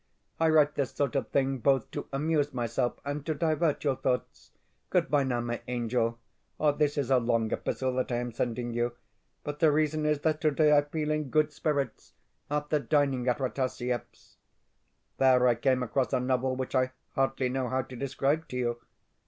I write this sort of thing both to amuse myself and to divert your thoughts. Goodbye now, my angel. This is a long epistle that I am sending you, but the reason is that today I feel in good spirits after dining at Rataziaev's. There I came across a novel which I hardly know how to describe to you.